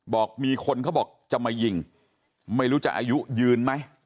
บอกมีคนเขาบอกจะมายิงไม่รู้จะอายุยืนไหม